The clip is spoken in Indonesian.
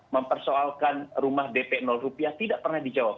mempersoalkan rumah dp rupiah tidak pernah dijawab